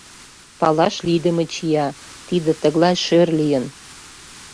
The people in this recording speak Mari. — Палаш лийдыме чия — тиде тыглай шӧр лийын.